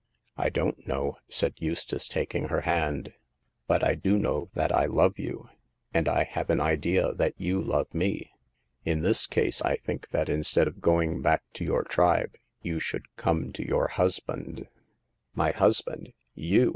I don't know," said Eustace, taking her hand ;but I do know that I love you, and I have an idea that you love me. In this case, I think that instead of going back to your tribe you should come to your husband." My husband— you